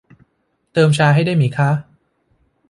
เติมชาให้ได้ไหมคะ